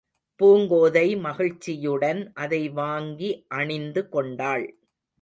பூங்கோதை மகிழ்ச்சியுடன் அதை வாங்கி அணிந்து கொண்டாள்.